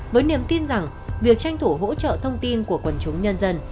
với niềm tin rằng việc tranh thủ hỗ trợ thông tin của quần chúng nhân dân